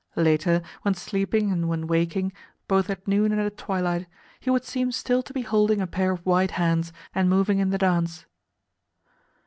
Later, when sleeping and when waking, both at noon and at twilight, he would seem still to be holding a pair of white hands, and moving in the dance.